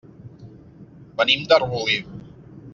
Venim d'Arbolí.